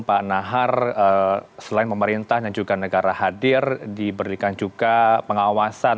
pak nahar selain pemerintah dan juga negara hadir diberikan juga pengawasan